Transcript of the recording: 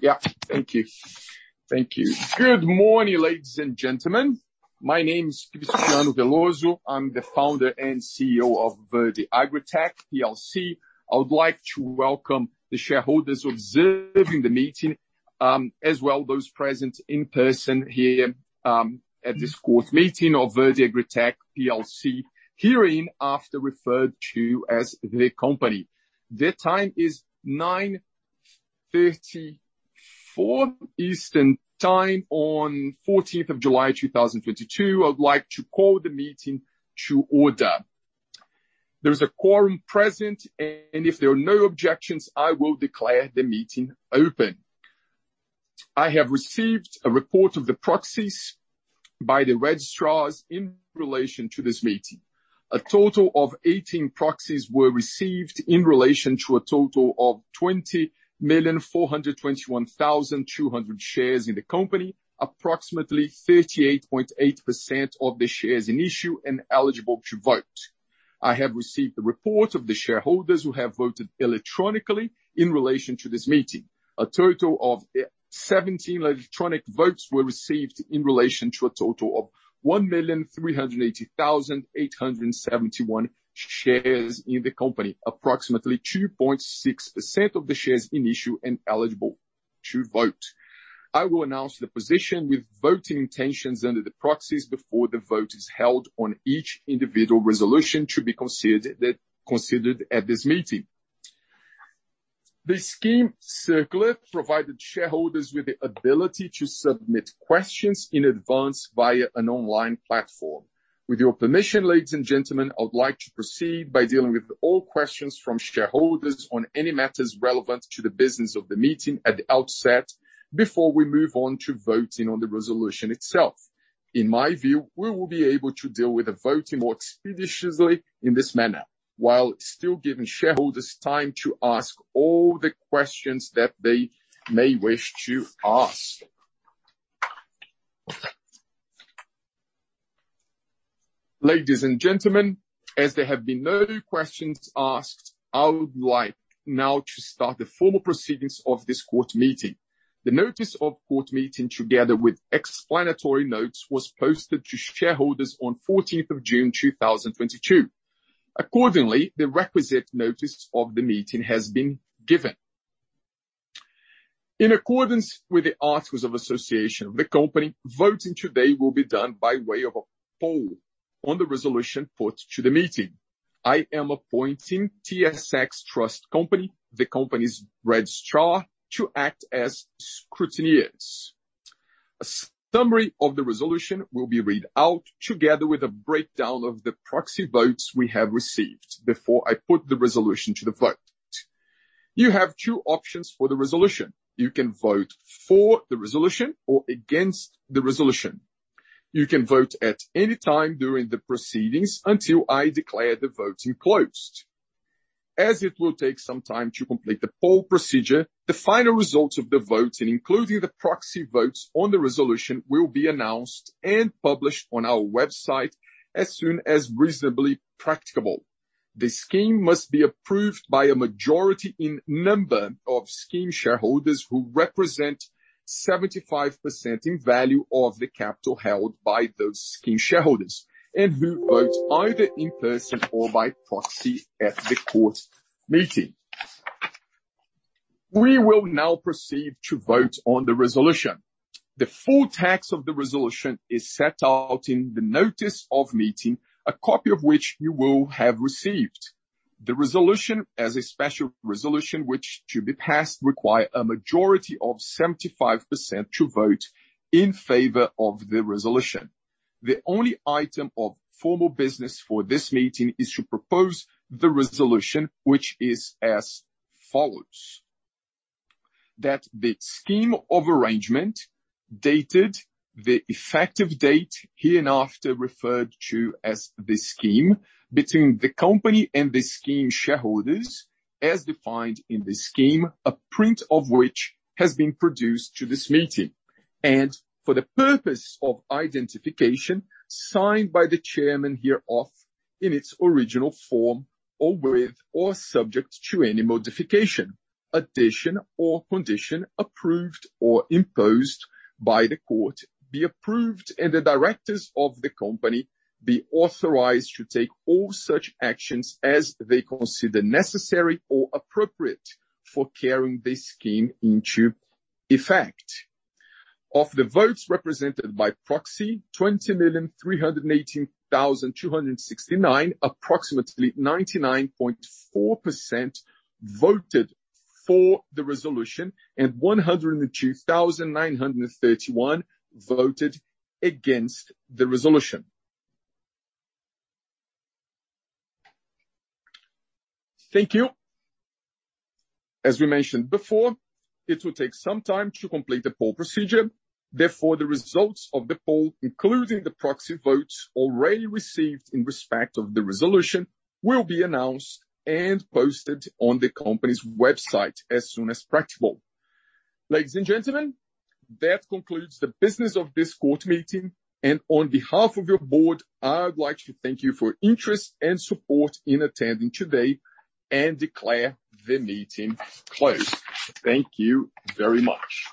Yeah. Thank you. Thank you. Good morning, ladies and gentlemen. My name is Cristiano Veloso. I'm the Founder and CEO of Verde AgriTech PLC. I would like to welcome the shareholders observing the meeting, as well those present in person here, at this court meeting of Verde AgriTech PLC, hereinafter referred to as the company. The time is 9:34 A.M. Eastern Time on 14th of July 2022. I would like to call the meeting to order. There is a quorum present, and if there are no objections, I will declare the meeting open. I have received a report of the proxies by the registrars in relation to this meeting. A total of 18 proxies were received in relation to a total of 20,421,200 shares in the company, approximately 38.8% of the shares in issue and eligible to vote. I have received the report of the shareholders who have voted electronically in relation to this meeting. A total of 17 electronic votes were received in relation to a total of 1,380,871 shares in the company, approximately 2.6% of the shares in issue and eligible to vote. I will announce the position with voting intentions under the proxies before the vote is held on each individual resolution to be considered at this meeting. The scheme circular provided shareholders with the ability to submit questions in advance via an online platform. With your permission, ladies and gentlemen, I would like to proceed by dealing with all questions from shareholders on any matters relevant to the business of the meeting at the outset before we move on to voting on the resolution itself. In my view, we will be able to deal with the voting more expeditiously in this manner, while still giving shareholders time to ask all the questions that they may wish to ask. Ladies and gentlemen, as there have been no questions asked, I would like now to start the formal proceedings of this court meeting. The notice of court meeting, together with explanatory notes, was posted to shareholders on 14th of June 2022. Accordingly, the requisite notice of the meeting has been given. In accordance with the articles of association of the company, voting today will be done by way of a poll on the resolution put to the meeting. I am appointing TSX Trust Company, the company's registrar, to act as scrutineers. A summary of the resolution will be read out together with a breakdown of the proxy votes we have received before I put the resolution to the vote. You have two options for the resolution. You can vote for the resolution or against the resolution. You can vote at any time during the proceedings until I declare the voting closed. As it will take some time to complete the poll procedure, the final results of the voting, including the proxy votes on the resolution, will be announced and published on our website as soon as reasonably practicable. The scheme must be approved by a majority in number of scheme shareholders who represent 75% in value of the capital held by those scheme shareholders and who vote either in person or by proxy at the court meeting. We will now proceed to vote on the resolution. The full text of the resolution is set out in the notice of meeting, a copy of which you will have received. The resolution as a special resolution which, to be passed, require a majority of 75% to vote in favor of the resolution. The only item of formal business for this meeting is to propose the resolution, which is as follows. That the scheme of arrangement, dated the effective date, hereinafter referred to as the scheme, between the company and the scheme shareholders, as defined in the scheme, a print of which has been produced to this meeting. For the purpose of identification, signed by the chairman hereof in its original form or with or subject to any modification, addition or condition approved or imposed by the court, be approved and the directors of the company be authorized to take all such actions as they consider necessary or appropriate for carrying this scheme into effect. Of the votes represented by proxy, 20,318,269, approximately 99.4%, voted for the resolution and 102,931 voted against the resolution. Thank you. As we mentioned before, it will take some time to complete the poll procedure. Therefore, the results of the poll, including the proxy votes already received in respect of the resolution, will be announced and posted on the company's website as soon as practicable. Ladies and gentlemen, that concludes the business of this court meeting. On behalf of your board, I would like to thank you for interest and support in attending today and declare the meeting closed. Thank you very much.